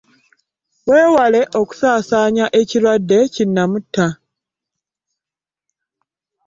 Weewale okusaasanya ekirwadde kinnamutta.